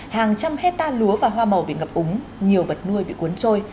hàng trăm hecta lúa và hoa màu bị ngập úng nhiều vật nuôi bị cuốn trôi